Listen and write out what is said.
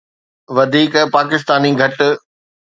وڌيڪ پاڪستاني گهٽ